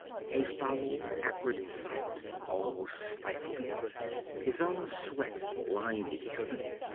A foul acrid scent almost stifled him, his own sweat blinded him.